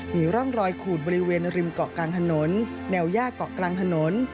มีร่องรอยขูดบริเวณริมเกาะกลางถนนแนวย่าเกาะกลางถนน